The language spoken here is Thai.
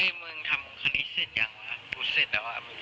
แต่ก็เหมือนกับว่าจะไปดูของเพื่อนแล้วก็ค่อยทำส่งครูลักษณะประมาณนี้นะคะ